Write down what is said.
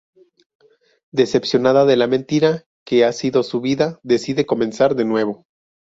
Decepcionada de la mentira que ha sido su vida, decide comenzar de nuevo.